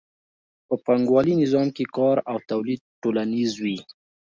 په پانګوالي نظام کې کار او تولید ټولنیز وي